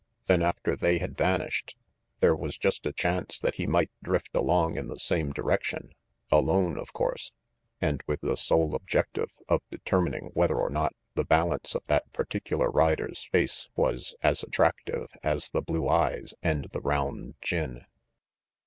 Then, after they had vanished, there was just a chance that he might drift along in the same direction, alone, of course, and with the sole objective of determining whether or not the balance of that particular rider's face was as attractive as the blue eyes and the round chin.